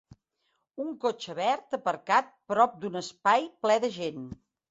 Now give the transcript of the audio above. Un cotxe verd aparcat prop d'un espai ple de gent.